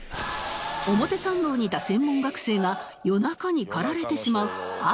表参道にいた専門学生が夜中に駆られてしまうある衝動